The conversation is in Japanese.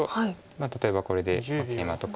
例えばこれでケイマとか。